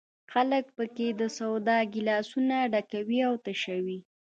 خلک په کې د سودا ګیلاسونه ډکوي او تشوي.